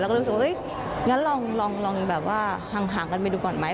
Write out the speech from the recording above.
ก็รู้สึกว่างั้นลองแบบว่าห่างกันไปดูก่อนไหม